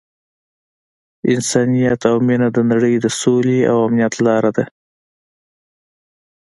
انسانیت او مینه د نړۍ د سولې او امنیت لاره ده.